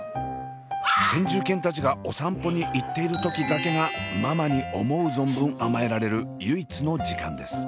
先住犬たちがお散歩に行っている時だけがママに思う存分甘えられる唯一の時間です。